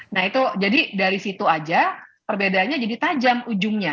nah itu jadi dari situ aja perbedaannya jadi tajam ujungnya